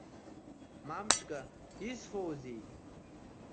Мамчка, исфозеи?